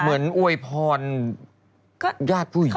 เหมือนอวยพรญาติผู้ใหญ่